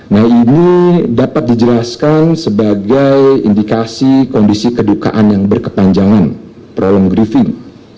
nah ini dapat dijelaskan sebagai indikasi kondisi kedukaan yang berkepanjangan problem griefing